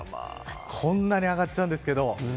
こんなに上がっちゃうんですけど。